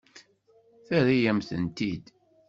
Terra-yam-tent-id.